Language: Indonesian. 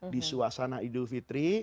di suasana idul fitri